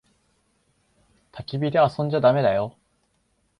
たき火で遊んじゃだめだよ。